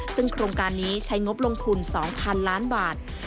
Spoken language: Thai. ซึ่งโครงการนี้ใช้งบลงทุน๒๐๐๐ล้านบาท